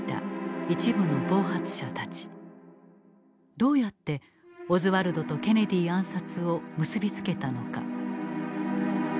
どうやってオズワルドとケネディ暗殺を結び付けたのか？